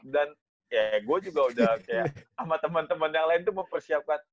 dan ya gue juga udah kayak sama temen temen yang lain tuh mempersiapkan